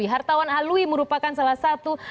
hartawan halui merupakan salah satu